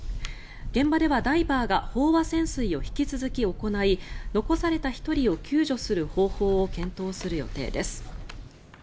現場では、ダイバーが飽和潜水を引き続き行い残された１人を救助する方法を検討する予定です。